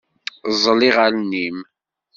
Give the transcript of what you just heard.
Ẓẓel iɣallen-im.